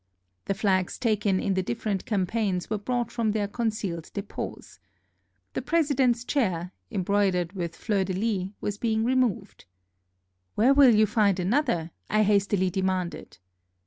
The flags taken in the different campaigns were brought from their concealed depots. The President's chair, embroidered with fleur de lis, was being removed. "Where will you find another?" I hastily demanded.